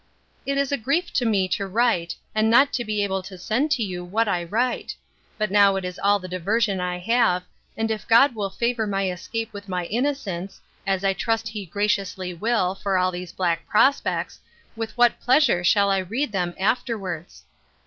It is a grief to me to write, and not to be able to send to you what I write: but now it is all the diversion I have, and if God will favour my escape with my innocence, as I trust he graciously will, for all these black prospects, with what pleasure shall I read them afterwards!